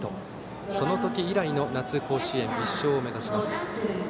その時以来の夏の甲子園１勝を目指します。